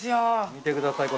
見てください